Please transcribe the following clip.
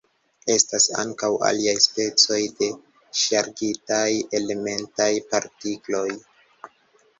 Estas ankaŭ aliaj specoj de ŝargitaj elementaj partikloj.